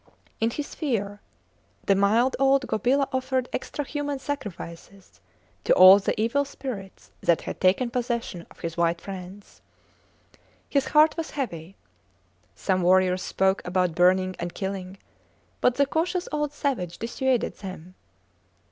In his fear, the mild old Gobila offered extra human sacrifices to all the Evil Spirits that had taken possession of his white friends. His heart was heavy. Some warriors spoke about burning and killing, but the cautious old savage dissuaded them.